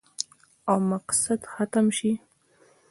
او مقصد ختم شي